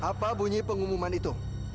apa bunyi pengumuman itu